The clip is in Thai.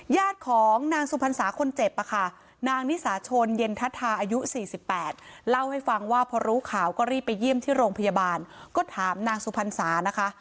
ญาติของนางสุพรรษาคนเจ็บค่ะนางนิสาชนเย็นทัศทาอายุ๔๘เล่าให้ฟังว่าพอรู้ข่าวก็รีบไปเยี่ยมที่โรงพยาบาลก็ถามนางสุพรรษานะคะ